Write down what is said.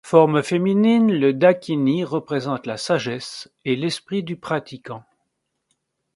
Forme féminine, la dākinī représente la sagesse et l’esprit du pratiquant.